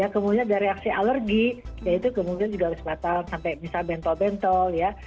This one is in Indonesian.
kemudian ada reaksi alergi ya itu mungkin juga harus batal sampai bisa bentol bentol ya